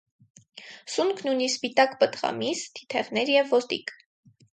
Սունկն ունի սպիտակ պտղամիս, թիթեղներ և ոտիկ։